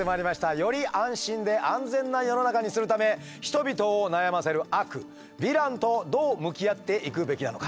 より安心で安全な世の中にするため人々を悩ませる悪ヴィランとどう向き合っていくべきなのか。